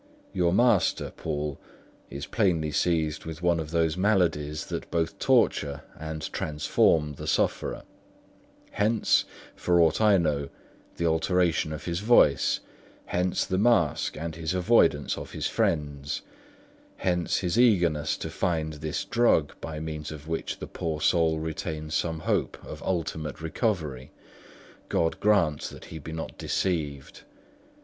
Your master, Poole, is plainly seized with one of those maladies that both torture and deform the sufferer; hence, for aught I know, the alteration of his voice; hence the mask and the avoidance of his friends; hence his eagerness to find this drug, by means of which the poor soul retains some hope of ultimate recovery—God grant that he be not deceived!